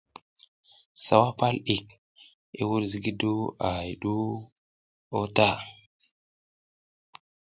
Sawa pal ɗik, i wuɗ zigiduw a hay ɗu o ta.